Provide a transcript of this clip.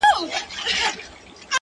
جام دي کم ساقي دي کمه بنګ دي کم٫